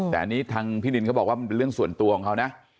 แต่อันนี้ทางพี่นินเขาบอกว่ามันเป็นเรื่องส่วนตัวของเขานะ